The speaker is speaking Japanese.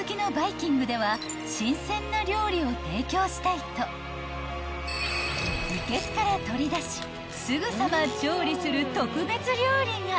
［新鮮な料理を提供したいといけすから取り出しすぐさま調理する特別料理が］